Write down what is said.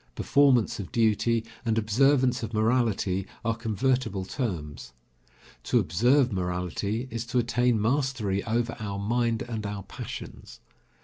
Performance of duty and observance of morality are convertible terms. To observe morality is to attain mastery over our mind and our passions.